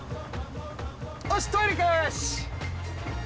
よしトイレよし！